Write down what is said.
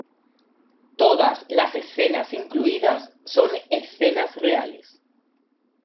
Todas las escenas incluidas son escenas reales.